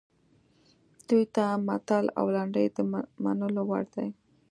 دوی ته متل او لنډۍ د منلو وړ دي